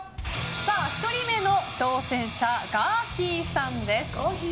１人目の挑戦者がーひーさんです。